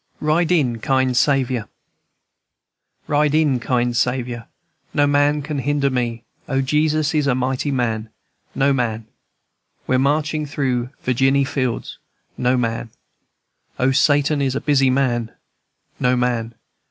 RIDE IN, KIND SAVIOUR. "Ride in, kind Saviour! No man can hinder me. O, Jesus is a mighty man! No man, &c. We're marching through Virginny fields. No man, &c. O, Satan is a busy man, No man, &c.